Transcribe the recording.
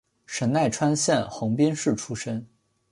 神奈川县横滨市出身。